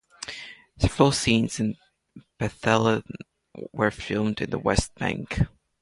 Several scenes in "Bethlehem" were filmed in the West Bank.